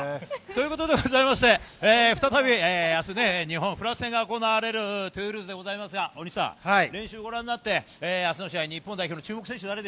ということでございまして、再び、あすね、日本・フランス戦が行われるトゥールーズでございますが、大西さん、練習ご覧になって、あすの試合、日本の注目選